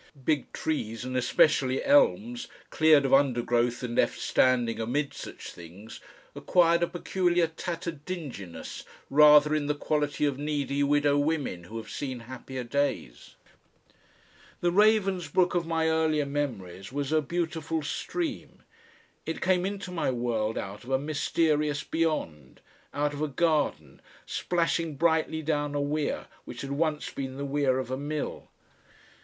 Big trees, and especially elms, cleared of undergrowth and left standing amid such things, acquired a peculiar tattered dinginess rather in the quality of needy widow women who have seen happier days. The Ravensbrook of my earlier memories was a beautiful stream. It came into my world out of a mysterious Beyond, out of a garden, splashing brightly down a weir which had once been the weir of a mill.